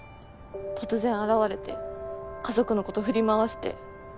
突然現れて家族のこと振り回して。